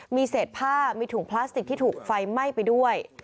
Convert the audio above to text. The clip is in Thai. มีเศษผ้ามีถุงพลาสติกที่ถูกไฟไหม้ไปด้วย